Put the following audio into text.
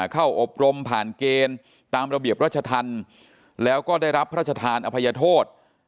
อบรมผ่านเกณฑ์ตามระเบียบราชธรรมแล้วก็ได้รับพระราชทานอภัยโทษ